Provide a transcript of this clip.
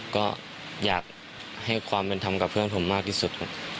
ก็อยากให้ความเป็นธรรมกับเพื่อนผมมากที่สุดครับ